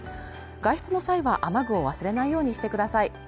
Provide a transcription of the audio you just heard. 外出の際は雨具を忘れないようにしてください